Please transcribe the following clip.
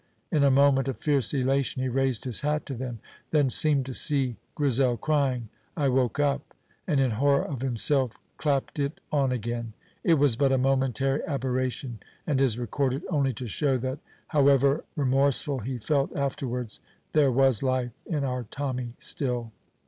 In a moment of fierce elation he raised his hat to them, then seemed to see Grizel crying "I woke up," and in horror of himself clapped it on again. It was but a momentary aberration, and is recorded only to show that, however remorseful he felt afterwards, there was life in our Tommy still.